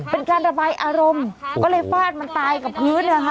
เป็นการระบายอารมณ์ก็เลยฟาดมันตายกับพื้นนะคะ